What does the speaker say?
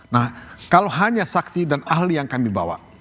nah kalau hanya saksi dan ahli yang kami bawa